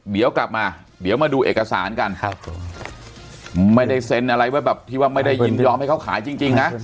เดี๋ยวกลับมาเดี๋ยวมาดูเอกสารกันไม่ได้เซ็นอะไรไว้แบบที่ว่าไม่ได้ยินยอมให้เขาขายจริงนะ